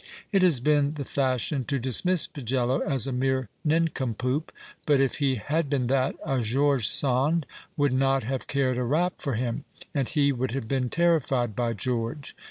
It has been the fashion to dismiss Pagello as a mere nincompoop. But if he had been that, a George Sand would not have cared a rap for him, and he would have been terrified by George.